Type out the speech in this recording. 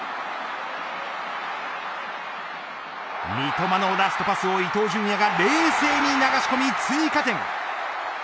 三笘のラストパスを伊東純也が冷静に流し込み追加点。